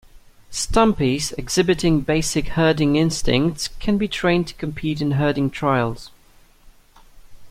"Stumpies" exhibiting basic herding instincts can be trained to compete in herding trials.